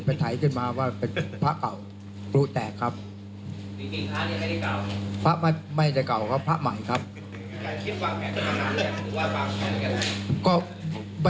ไม่ไม่มีครับ